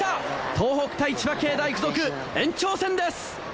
東北対千葉経大附属延長戦です。